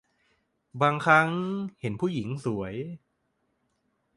บางครั้งเห็นผู้หญิงสวย